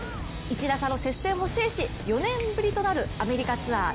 １打差の接戦を制し４年ぶりとなるアメリカツアー